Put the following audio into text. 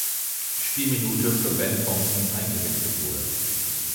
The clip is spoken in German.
Spielminute für Ben Thompson eingewechselt wurde.